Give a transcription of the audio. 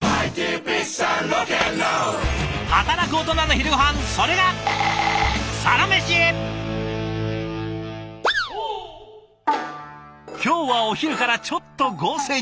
働くオトナの昼ごはんそれが今日はお昼からちょっと豪勢に。